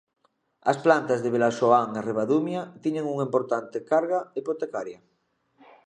As plantas de Vilaxoán e Ribadumia tiñan unha importante carga hipotecaria.